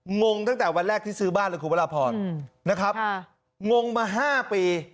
งงตั้งแต่วันแรกที่ซื้อบ้านหรือครูปราพรนะครับงงมาห้าปี